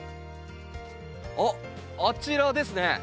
あっあちらですね。